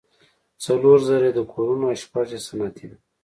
څلور زره یې د کورونو او شپږ یې صنعتي ده.